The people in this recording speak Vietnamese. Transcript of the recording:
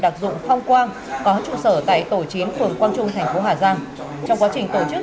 đặc dụng phong quang có trụ sở tại tổ chín phường quang trung thành phố hà giang trong quá trình tổ chức